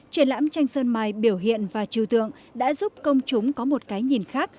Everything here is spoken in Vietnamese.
triển lãm tranh sơn mài biểu hiện và trừ tượng đã giúp công chúng có một cái nhìn khác